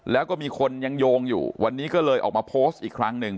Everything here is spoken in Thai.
แล้วก็มีคนยังโยงอยู่วันนี้ก็เลยออกมาโพสต์อีกครั้งหนึ่ง